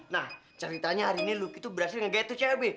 nah ceritanya hari ini luki tuh berhasil nge gayat tuh cewe be